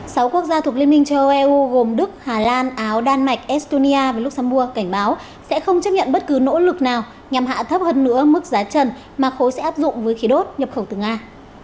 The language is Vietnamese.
sáu quốc gia thuộc liên minh châu âu eu gồm đức hà lan áo đan mạch estonia và luxembourg cảnh báo sẽ không chấp nhận bất cứ nỗ lực nào nhằm hạ thấp hơn nữa mức giá trần mà khối sẽ áp dụng với khí đốt nhập khẩu từ nga